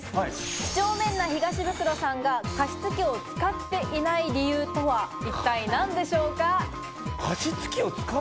几帳面な東ブクロさんが加湿器を使っていない理由とは一体何でしょうか？